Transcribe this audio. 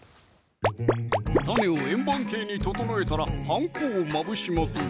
種を円盤形に整えたらパン粉をまぶしますぞ